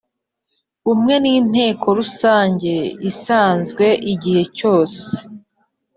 Bumwe n inteko rusange isanzwe igihe cyose